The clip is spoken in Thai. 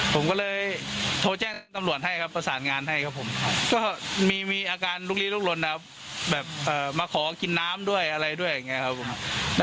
ก็บอกให้เจ้าหน้าที่รีบมาง่วงนอน